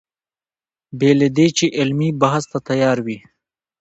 بې له دې چې علمي بحث ته تیار وي.